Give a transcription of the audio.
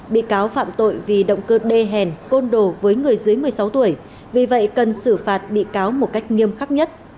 bị cáo phạm tội vì động cơ đê hèn côn đồ với người dưới một mươi sáu tuổi vì vậy cần xử phạt bị cáo một cách nghiêm khắc nhất